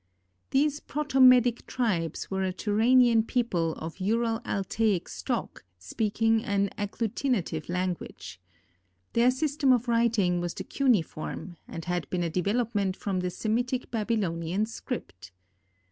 These Proto Medic tribes were a Turanian people of Ural Altaic stock speaking an agglutinative language. Their system of writing was the cuneiform, and had been a development from the Semitic Babylonian script.